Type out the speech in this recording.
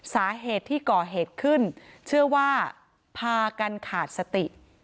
สาเหตุที่ก่อเหตุขึ้นเชื่อว่าพากันขาดสติ